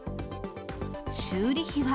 修理費は。